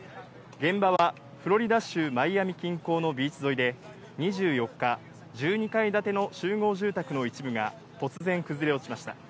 現場はフロリダ州マイアミ近郊のビーチ沿いで、２４日、１２階建ての集合住宅の一部が突然崩れ落ちました。